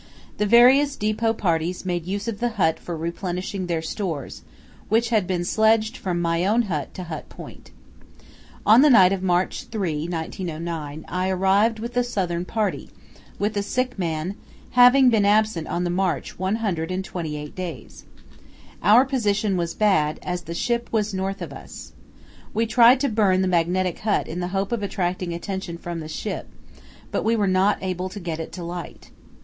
The various depot parties made use of the hut for replenishing their stores, which had been sledged from my own hut to Hut Point. On the night of March 3, 1909, I arrived with the Southern Party, with a sick man, having been absent on the march 128 days. Our position was bad, as the ship was north of us. We tried to burn the Magnetic Hut in the hope of attracting attention from the ship, but were not able to get it to light.